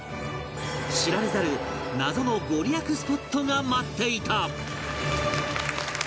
知られざる謎のご利益スポットが待っていた！